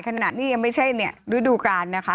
ขนาดนี้ยังไม่ใช่รูดูการนะคะ